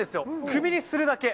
首にするだけ。